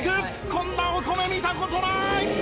こんなお米見た事ない！